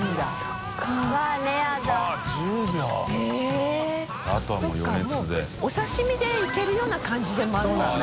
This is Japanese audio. そうかもう匹型箸いけるような感じでもあるんだもんね。